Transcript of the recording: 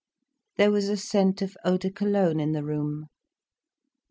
There was a scent of eau de Cologne in the room.